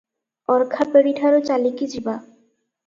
ଅର୍ଖାପେଡିଠାରୁ ଚାଲିକି ଯିବା ।